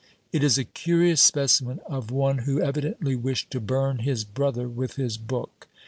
It is a curious specimen of one who evidently wished to burn his brother with his book.